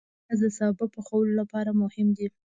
پیاز د سابه پخولو لپاره مهم دی